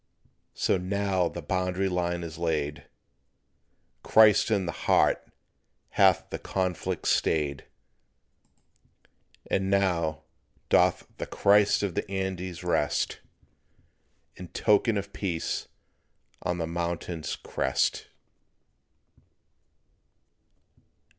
So now the Boundary Line is laid; Christ in the heart hath the conflict stayed; And now doth "the Christ of the Andes" rest In token of peace on the mountain's crest.